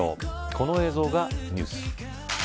この映像がニュース。